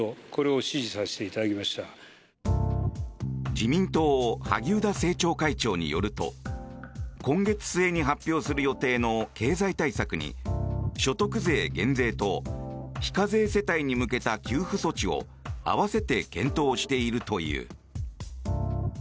自民党萩生田政調会長によると今月末に発表する予定の経済対策に所得税減税と非課税世帯に向けた給付措置を併せて検討しているという。